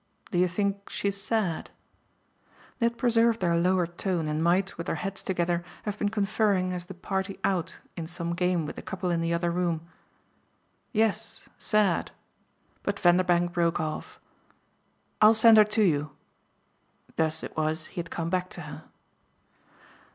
"Do you think she's sad?" They had preserved their lowered tone and might, with their heads together, have been conferring as the party "out" in some game with the couple in the other room. "Yes. Sad." But Vanderbank broke off. "I'll send her to you." Thus it was he had come back to her.